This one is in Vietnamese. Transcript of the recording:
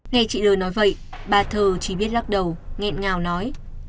nghe chị l nói vậy bà thờ chỉ biết lắc đầu nghẹn ngào nói